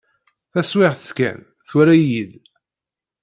Taswiɛt kan, twala-iyi-d.